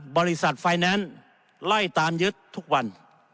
บริษัทไฟแนนซ์ไล่ตามยึดทุกวัน